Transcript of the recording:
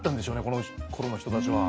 このころの人たちは。